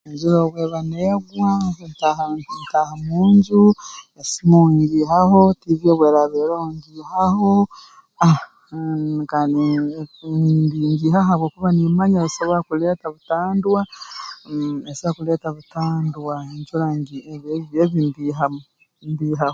Enjura obu eba negwa ntaha ntaaha mu nju esimo ngiihaho tiivi obu eraba eroho ngiihaho ah kandi mbi ngihaho habwokuba niimanya esobora kuleeta butandwa mmh esobora kuleeta butandwa enjura ngi ebi ebi mbiihamu mbiihaho